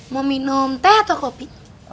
mau minum teh atau kopi